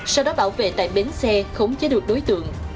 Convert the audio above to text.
sau đó bảo vệ tại bến xe khống chế được đối tượng